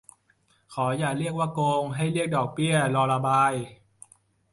ขออย่าเรียกว่าโกง ให้เรียกดอกเบี้ยรอระบาย